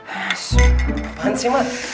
apaan sih mbak